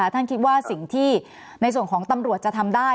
ท่านคิดว่าสิ่งที่ในส่วนของตำรวจจะทำได้